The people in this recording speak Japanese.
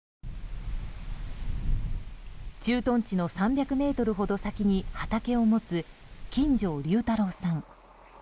駐屯地の３００ｍほど先に畑を持つ金城龍太郎さん。